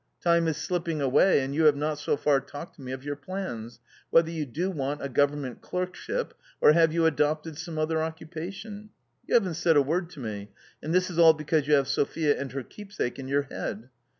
Time is slipping away, and you have not so far talked to me of your plans ; whether you do want a government clerkship or have you adopted some other occupation ? You haven't said a word to me, and this is all because you have Sophia and her keepsake in your head.